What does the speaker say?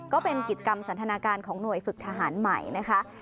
ก็เป็นกิจกรรมสันทนาการของหน่วยฝึกทหารใหม่นะคะ